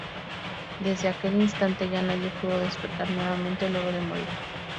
Desde aquel instante, ya nadie pudo despertar nuevamente luego de morir.